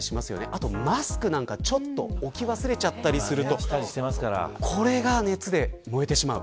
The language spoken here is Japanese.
あとはマスクなんかちょっと置き忘れたりするとこれが熱で燃えてしまう。